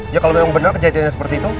ya kalau memang benar kejadiannya seperti itu